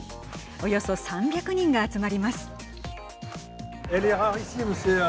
およそ３００人が集まります。